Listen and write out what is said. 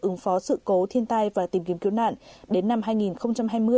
ứng phó sự cố thiên tai và tìm kiếm cứu nạn đến năm hai nghìn hai mươi